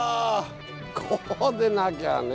こうでなきゃね。